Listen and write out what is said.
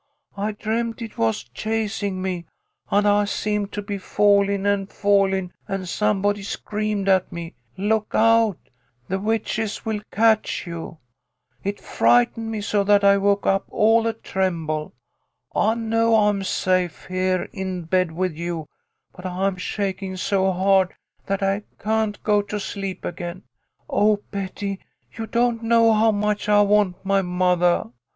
I dreamed it was chas ing me, and I seemed to be falling and falling, and somebody screamed at me ' Look out I The witches will catch you !' It frightened me so that I woke up all a tremble. I know I am safe, here in bed with you, but I'm shaking so hard that I can't go to sleep again. Oh, Betty, you don't know how much I want my mothah